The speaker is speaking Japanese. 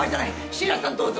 椎名さんどうぞ。